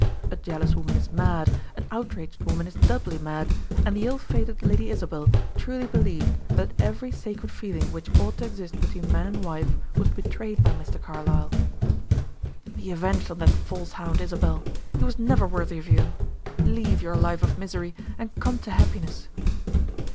A jealous woman is mad; an outraged woman is doubly mad; and the ill fated Lady Isabel truly believed that every sacred feeling which ought to exist between man and wife was betrayed by Mr. Carlyle. "Be avenged on that false hound, Isabel. He was never worthy of you. Leave your life of misery, and come to happiness."